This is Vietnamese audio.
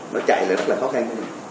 nó chạy là rất là khó khăn